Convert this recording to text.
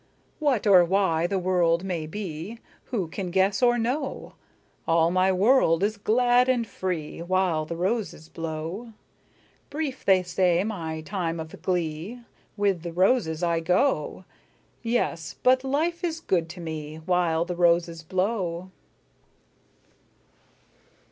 What or why the world may be Who can guess or know? All my world is glad and free While the roses blow. Brief, they say, my time of glee; With the roses I go; Yes, but life is good to me While the roses blow.